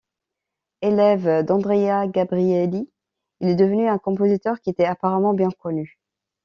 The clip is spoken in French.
Élève d'Andrea Gabrieli, il est devenu un compositeur qui était apparemment bien connu.